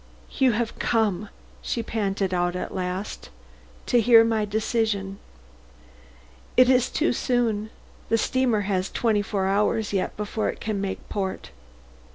"You have come," she panted out at last, "to hear my decision. It is too soon. The steamer has twenty four hours yet before it can make port.